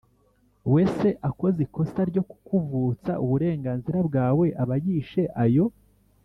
wese akoze ikosa ryo kukuvutsa uburenganzira bwawe aba yishe ayo